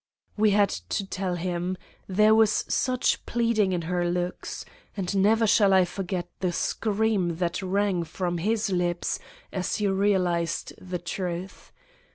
We had to tell him, there was such pleading in her looks; and never shall I forget the scream that rang from his lips as he realized the truth.